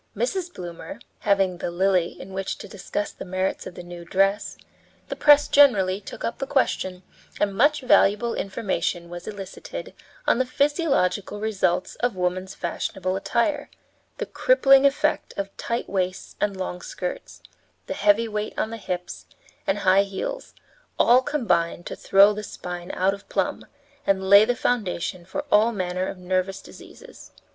Mrs. Bloomer, having the Lily in which to discuss the merits of the new dress, the press generally took up the question, and much valuable information was elicited on the physiological results of woman's fashionable attire; the crippling effect of tight waists and long skirts, the heavy weight on the hips, and high heels, all combined to throw the spine out of plumb and lay the foundation for all manner of nervous diseases.